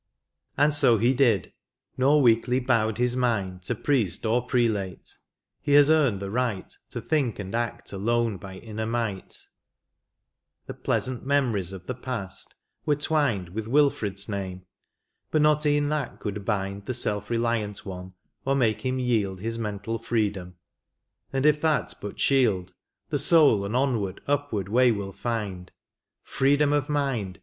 And so he did, nor weakly bowed his mind To priest or prelate ; he has earned the right To think and act alone by inner might : The pleasant memories of the past were twined With Wilfred's name, but not e'en that could bind The self reliant one, or make him yield His mental freedom ; and if that but shield. The soul an onward, upward, way will find. Freedom of mind